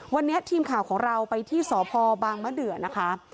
วันนี้ทีมข่าวของเราไปที่สพบางมะเดือนะคะ